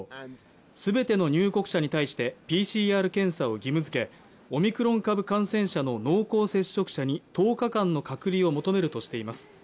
全ての入国者に対してＰＣＲ検査を義務づけ、オミクロン株感染者の濃厚接触者に１０日間の隔離を求めるとしています。